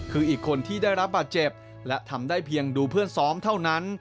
คืออีกคนที่ได้รับบาดเจ็บและทำได้เพียงดูเพื่อนซ้อมเท่านั้น